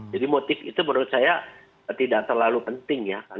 jadi motif itu menurut saya tidak terlalu penting ya